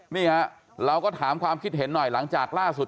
นี่ฮะเราก็ถามความคิดเห็นหน่อยหลังจากล่าสุด